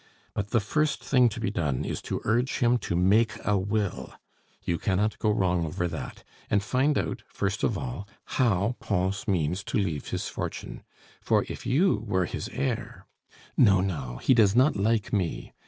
But the first thing to be done is to urge him to make a will; you cannot go wrong over that; and find out, first of all, how Pons means to leave his fortune; for if you were his heir " "No, no; he does not like me.